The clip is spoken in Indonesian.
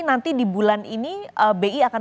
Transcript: nanti di bulan ini bi akan